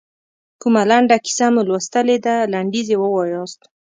کومه لنډه کیسه مو لوستلې ده لنډیز یې ووایاست.